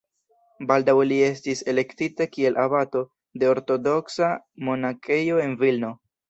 Baldaŭ li estis elektita kiel abato de ortodoksa monakejo en Vilno.